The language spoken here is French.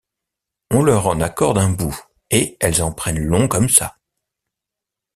On leur en accorde un bout, et elles en prennent long comme ça.